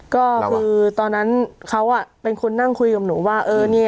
ก็คือตอนนั้นเขาเป็นคนนั่งคุยกับหนูว่า